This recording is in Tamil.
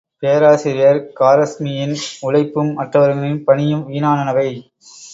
பேராசிரியர் காரெஸ்மியின் உழைப்பும், மற்றவர்களின் பணியும் வீணானவை.